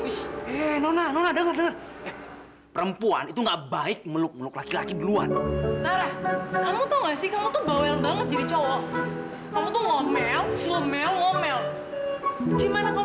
sampai jumpa di video selanjutnya